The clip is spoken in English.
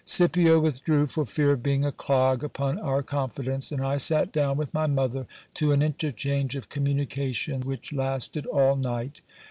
Scipio withdrew, for fear of being a clog upon our confidence ; and I sat down with my mother to an interchange of communication, which lasted all night.